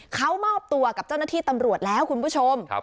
เขามอบตัวกับเจ้าหน้าที่ตำรวจแล้วคุณผู้ชม